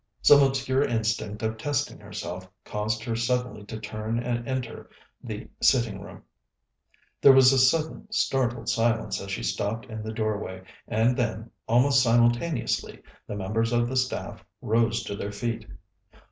Some obscure instinct of testing herself caused her suddenly to turn and enter the sitting room. There was a sudden, startled silence as she stopped in the doorway, and then, almost simultaneously, the members of the staff rose to their feet.